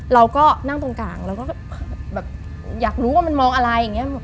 เราก็นั่งตรงกลางเราก็แบบอยากรู้ว่ามันมองอะไรอย่างนี้